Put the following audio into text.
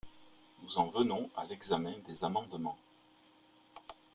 Nous en venons à l’examen des amendements.